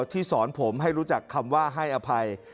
ที่สอนผมให้รู้จักคำว่าให้อภัย